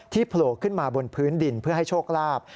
โผล่ขึ้นมาบนพื้นดินเพื่อให้โชคลาภ